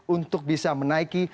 untuk bisa menaiki